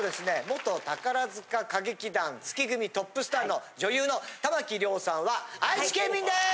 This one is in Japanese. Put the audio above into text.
元宝塚歌劇団月組トップスターの女優の珠城りょうさんは愛知県民です！